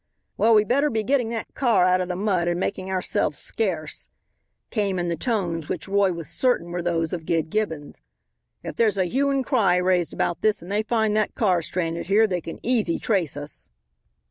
"Well, we'd better be getting that car out of the mud and making ourselves scarce," came in the tones which Roy was certain were those of Gid Gibbons. "If there's a hue and cry raised about this and they find that car stranded here they can easy trace us."